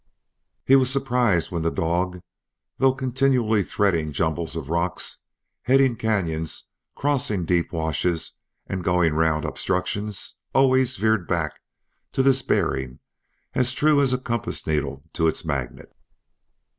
He was surprised when the dog, though continually threading jumbles of rock, heading canyons, crossing deep washes, and going round obstructions, always veered back to this bearing as true as a compass needle to its magnet.